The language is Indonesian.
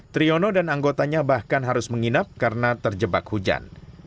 triyono dan anggotanya bahkan harus menginap karena terjebak hujan